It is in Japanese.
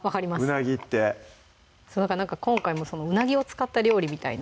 うなぎって今回もうなぎを使った料理みたいなね